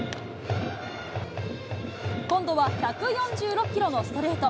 今度は１４６キロのストレート。